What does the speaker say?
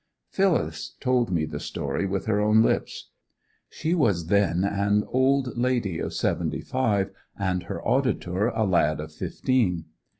Phyllis told me the story with her own lips. She was then an old lady of seventy five, and her auditor a lad of fifteen.